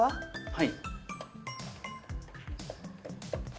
はい。